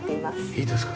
いいですか？